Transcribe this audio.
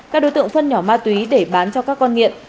các đối tượng phân nhỏ ma túy để bán cho các con nghiện